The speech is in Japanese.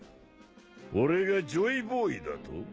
俺がジョイボーイだと？